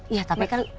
iya tapi kan